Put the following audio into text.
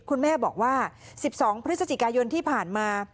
คุณแม่บอกว่า๑๒พฤศจิกายนที่ผ่านมา